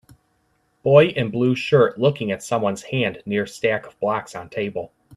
Boy in blue shirt looking at someone 's hand near stack of blocks on table.